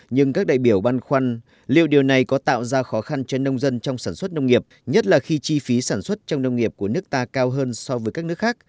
nhưng các đại biểu băn khoăn liệu điều này có tạo ra khó khăn cho nông dân trong sản xuất nông nghiệp nhất là khi chi phí sản xuất trong nông nghiệp của nước ta cao hơn so với các nước khác